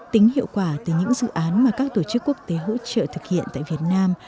tính hiệu quả từ những dự án mà các tổ chức quốc tế hỗ trợ thực hiện tại việt nam